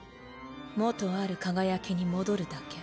元ある輝きに戻るだけ。